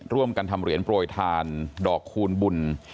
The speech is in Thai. ร่วมกันทำเหรียญโปรยทานดอกคูณบุญ